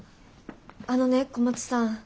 あのね小松さん。